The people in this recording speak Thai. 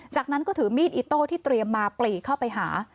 จากนั้นก็ถือมีดอิโต้ที่เตรียมมาปลีเข้าไปหา